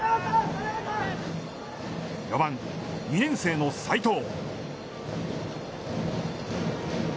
４番２年生の斎藤。